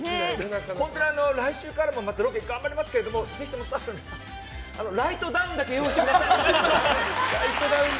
本当に来週からもまたロケ頑張りますけれどもぜひともスタッフの皆さんライトダウンだけ用意してもらって。